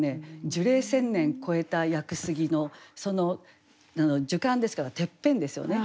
樹齢１，０００年越えた屋久杉の「樹冠」ですからてっぺんですよね。